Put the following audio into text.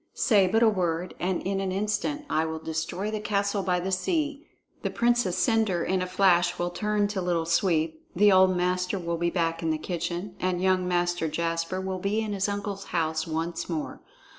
Say but a word, and in an instant I will destroy the castle by the sea. The Princess Cendre in a flash will turn to Little Sweep; the old master will be back in the kitchen, and young Master Jasper will be in his uncle's house once more.